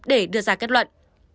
để đưa ra kết luận